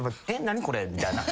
何これ？みたいな。